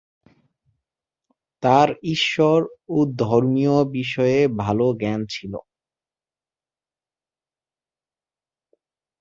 তার ঈশ্বর ও ধর্মীয় বিষয়ে ভালো জ্ঞান ছিল।